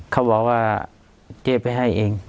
เขาบอกว่าเจ๊ไปให้เอง